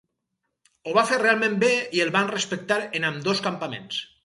Ho va fer realment bé i el van respectar en ambdós campaments.